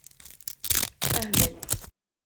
Hmel.